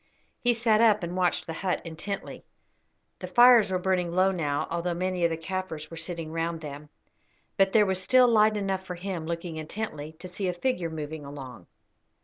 He sat up and watched the hut intently. The fires were burning low now, although many of the Kaffirs were sitting round them; but there was still light enough for him, looking intently, to see a figure moving along.